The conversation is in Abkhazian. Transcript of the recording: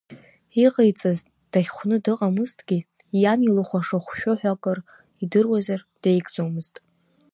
Иҟаиҵаз дахьхәны дыҟамызҭгьы, иан илыхәаша хәшәы ҳәа акыр идыруазар, деигӡомызт.